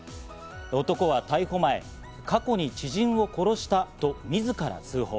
男は逮捕前、過去に知人を殺したと自ら通報。